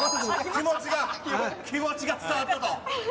気持ちが気持ちが伝わったと。